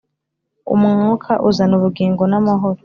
Umwuka uzana ubugingo n’amahoro